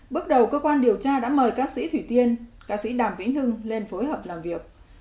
bước đầu cơ quan điều tra đã mời ca sĩ thủy tiên ca sĩ đàm vĩnh hưng lên phối hợp làm việc